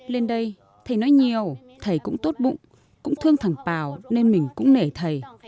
lên đây thầy nói nhiều thầy cũng tốt bụng cũng thương thằng pào nên mình cũng nể thầy